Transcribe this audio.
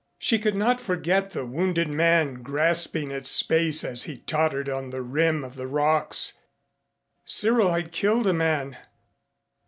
She could not forget the wounded man grasping at space as he tottered on the rim of the rocks. Cyril had killed a man.